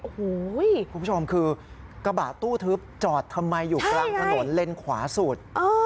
โอ้โหคุณผู้ชมคือกระบะตู้ทึบจอดทำไมอยู่กลางถนนเลนขวาสุด